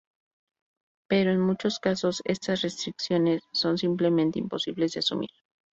Pero en muchos casos, estas restricciones son simplemente imposibles de asumir.